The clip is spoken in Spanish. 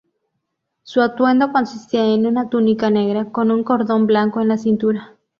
Su atuendo consistía en una túnica negra, con un cordón blanco en la cintura.